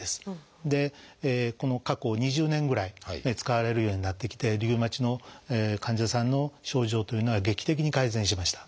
この過去２０年ぐらい使われるようになってきてリウマチの患者さんの症状というのは劇的に改善しました。